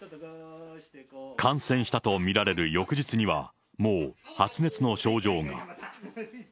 感染したと見られる翌日には、もう発熱の症状が。